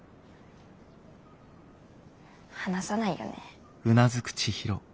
話さないよね。